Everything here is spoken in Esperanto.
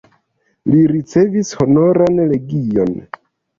Li ricevis Honoran legion.